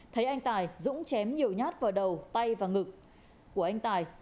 thấy anh tài dũng chém nhiều nhát vào đầu tay và ngực của anh tài